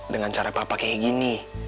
dengan cara papa kayak gini